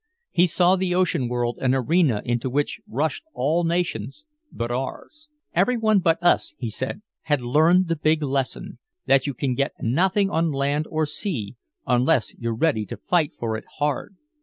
He saw the ocean world an arena into which rushed all nations but ours. "Everyone but us," he said, "had learned the big lesson that you can get nothing on land or sea unless you're ready to fight for it hard!"